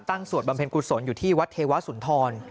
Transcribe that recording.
สวดบำเพ็ญกุศลอยู่ที่วัดเทวสุนทร